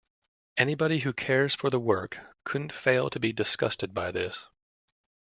Anybody who cares for the work couldn't fail to be disgusted by this.